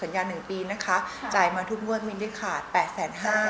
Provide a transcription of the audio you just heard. สัญญาณหนึ่งปีนะคะจ่ายมาทุกเมื่อไม่ได้ขาดสัญหาเป็นสัหนห้า